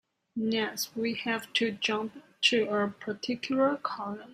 Next, we have to jump to a particular column.